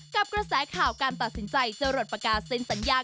กระแสข่าวการตัดสินใจจะหลดประกาศเซ็นสัญญา